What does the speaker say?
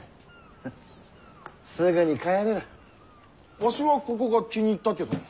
わしはここが気に入ったけどな。